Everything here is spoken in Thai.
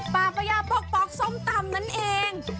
ปาปรายะปกปกส้มตำนั่นเอง